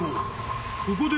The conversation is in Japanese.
［ここで］